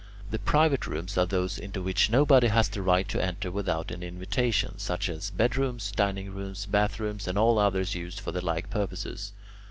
The private rooms are those into which nobody has the right to enter without an invitation, such as bedrooms, dining rooms, bathrooms, and all others used for the like purposes.